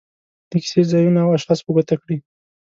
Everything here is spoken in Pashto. د کیسې ځایونه او اشخاص په ګوته کړي.